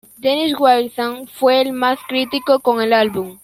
Dennis Wilson fue el más crítico con el álbum.